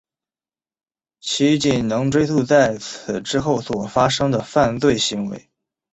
其仅能追诉在此之后所发生的犯罪行为。